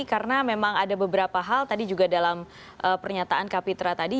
karena memang ada beberapa hal tadi juga dalam pernyataan kapitra tadi